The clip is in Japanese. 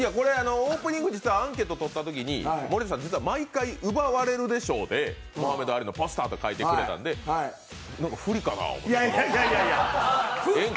オープニング、実はアンケートとったときに、森田さん、実は毎回奪われるで賞で、モハメド・アリのポスターと書いてくれたのでなんか、フリかなと思って。